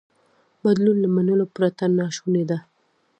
بدلون له منلو پرته ناشونی دی.